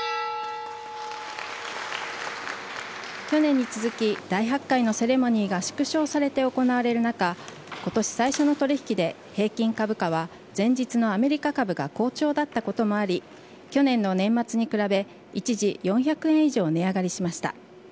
去年に続き、大発会のセレモニーが縮小されて行われる中、ことし最初の取り引きで、平均株価は前日のアメリカ株が好調だったこともあり、去年の年末に比べ一時、４００円以上値上がりしました。